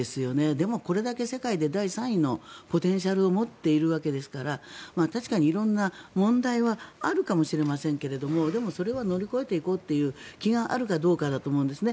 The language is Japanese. でもこれだけ世界で第３位のポテンシャルを持っているわけですから確かに色んな問題はあるかもしれませんけれどもでもそれは乗り越えていこうという気があるかどうかだと思うんですね。